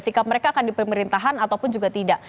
sikap mereka akan di pemerintahan ataupun juga tidak